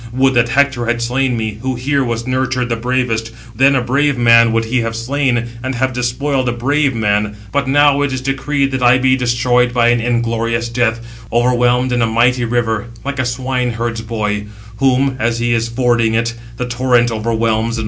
Would that Hector had slain me, who here was nurtured the bravest; then a brave man would he have slain, and have despoiled a brave man. But now it is decreed that I be destroyed by an inglorious death, overwhelmed in a mighty river, like a swine herd's boy, whom, as he is fording it, the torrent overwhelms in wintry weather."